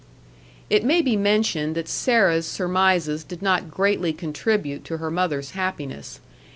It may be mentioned that Sarah's surmises did not greatly contribute to her mother's happiness.